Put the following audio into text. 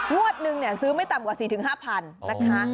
หวัดหนึ่งซื้อไม่ต่ำกว่า๔๕พันนะคะ